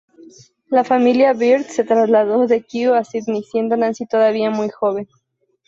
La familia Bird se trasladó de Kew a Sídney siendo Nancy todavía muy joven.